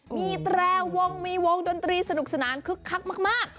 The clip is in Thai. มีแตรวงมีวงดนตรีสนุกสนานคึกคักมาก